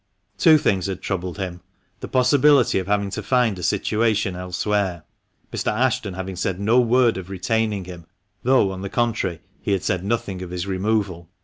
Two things had troubled him — the possibility of having to find a situation elsewhere (Mr. Ashton having said no word of retaining him, though, on the contrary, he had said nothing of his removal), THE MANCHESTER MAN.